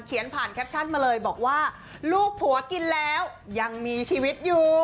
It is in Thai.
ผ่านแคปชั่นมาเลยบอกว่าลูกผัวกินแล้วยังมีชีวิตอยู่